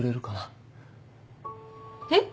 えっ？